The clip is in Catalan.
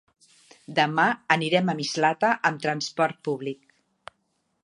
Demà anirem a Mislata amb transport públic.